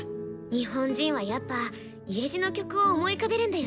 日本人はやっぱ「家路」の曲を思い浮かべるんだよね。